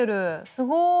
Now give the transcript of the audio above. すごい！